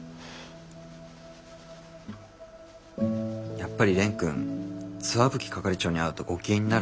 やっぱり蓮くん石蕗係長に会うとご機嫌になるんだよね。